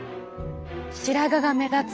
白髪が目立つ。